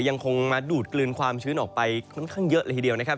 ยังคงมาดูดกลืนความชื้นออกไปค่อนข้างเยอะเลยทีเดียวนะครับ